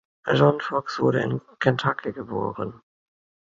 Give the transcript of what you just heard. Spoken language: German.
John Fox wurde in Kentucky geboren.